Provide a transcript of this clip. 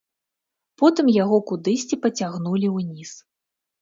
Потым яго кудысьці пацягнулі ўніз.